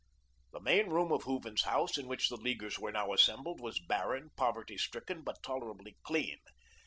The main room of Hooven's house, in which the Leaguers were now assembled, was barren, poverty stricken, but tolerably clean.